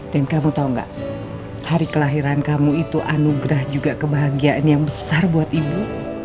dan kamu tau nggak hari kelahiran kamu itu anugerah juga kebahagiaan yang besar buat ibu